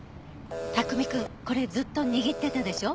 卓海くんこれずっと握ってたでしょ。